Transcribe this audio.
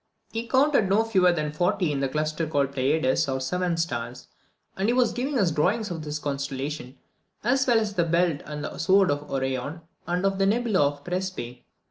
He counted no fewer than forty in the cluster called the Pleiades, or Seven Stars; and he has given us drawings of this constellation, as well as of the belt and sword of Orion, and of the nebula of Præsepe.